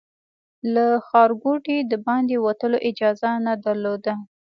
له ښارګوټي د باندې وتلو اجازه نه درلوده.